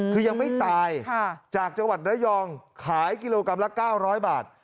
คือยังไม่ตายจากจังหวัดระยองขายกิโลกรัมละ๙๐๐บาท